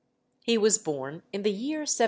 He was born in the year 1781.